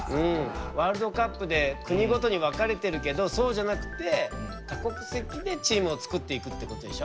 ワールドカップで国ごとに分かれてるけどそうじゃなくて多国籍でチームを作っていくってことでしょ。